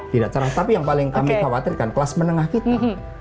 tidak cerah tapi yang paling kami khawatirkan kelas menengah kita